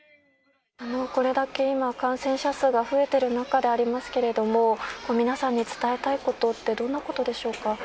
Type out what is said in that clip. これだけ今、感染者数が増えている中でありますけれども、皆さんに伝えたいことって、どんなことでしょうか。